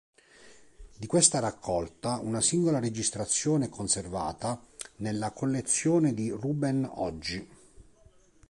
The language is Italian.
Di questa raccolta una singola registrazione è conservata nella collezione di Ruben oggi.